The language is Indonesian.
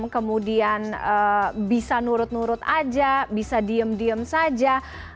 kemudian bisa nurut nurut aja bisa diem diem saja